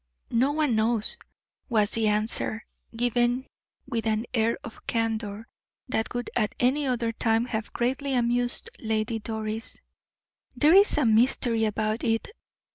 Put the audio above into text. "No one knows," was the answer, given with an air of candor that would at any other time have greatly amused Lady Doris. "There is a mystery about it.